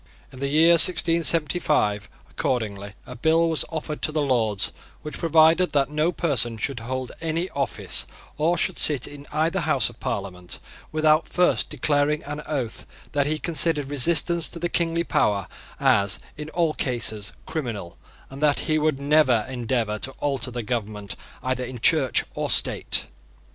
In the year 1675, accordingly, a bill was offered to the Lords which provided that no person should hold any office, or should sit in either House of Parliament, without first declaring on oath that he considered resistance to the kingly power as in all cases criminal, and that he would never endeavour to alter the government either in Church or State.